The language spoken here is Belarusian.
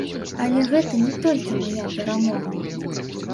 Але гэта не толькі мая перамога.